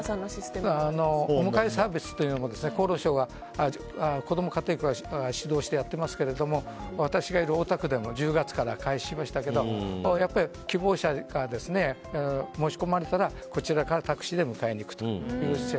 お迎えサービスというのもこども家庭庁が指導してやってますけど私がいる大田区でも１０月から開始しましたけどやっぱり希望者が申し込まれたらこちらからタクシーで迎えに行くという施設。